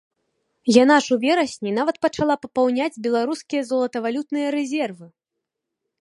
Яна ж у верасні нават пачала папаўняць беларускія золатавалютныя рэзервы!